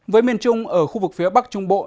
với miền trung ở khu vực phía bắc trung bộ